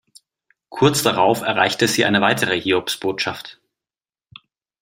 Kurz darauf erreichte sie eine weitere Hiobsbotschaft.